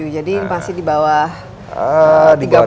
jadi ini pasti di bawah tiga puluh ya